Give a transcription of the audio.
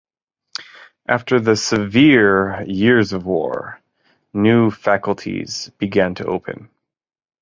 After the severe years of war, new faculties began to open.